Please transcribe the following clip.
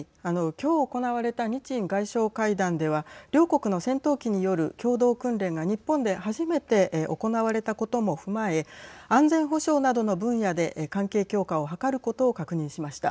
今日行われた日印外相会談では両国の戦闘機による共同訓練が日本で初めて行われたことも踏まえ安全保障などの分野で関係強化を図ることを確認しました。